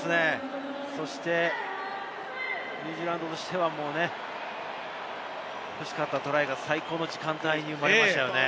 そしてニュージーランドとしては欲しかったトライが最高の時間帯に生まれましたね。